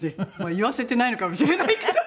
言わせてないのかもしれないけど。